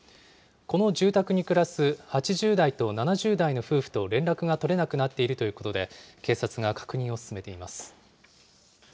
この住宅に暮らす８０代と７０代の夫婦と連絡が取れなくなっているということで、警察が確認を進めています。